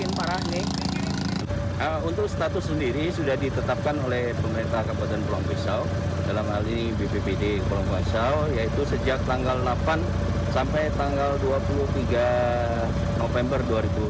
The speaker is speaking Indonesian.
untuk status sendiri sudah ditetapkan oleh pemerintah kabupaten pulang pisau dalam hal ini bppd pulau basau yaitu sejak tanggal delapan sampai tanggal dua puluh tiga november dua ribu dua puluh